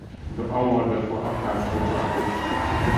The award therefore applies retroactively.